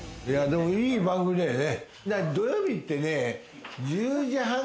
でも、いい番組だよね。